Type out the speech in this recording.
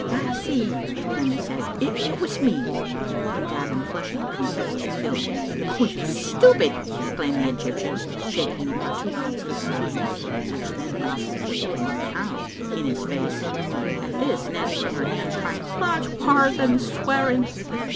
" Lassie," Nanny said, " it was me;" but Gavin, flush ing, confessed his guilt. "Oh, you stupid!" exclaimed the Egyptian, shaking Digitized by VjOOQ IC to tbe TRBoman'd pfpfno* 129 her two ounces of tea (which then cost six shillings the pound) in his face. At this Nanny wrung her hands, crying, "That's waur than swearing.